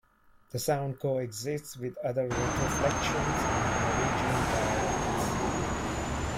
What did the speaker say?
The sound coexists with other retroflexions in Norwegian dialects.